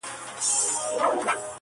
پور چي تر سلو واوړي، وچه مه خوره.